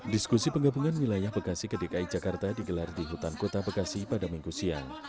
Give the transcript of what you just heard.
diskusi penggabungan wilayah bekasi ke dki jakarta digelar di hutan kota bekasi pada minggu siang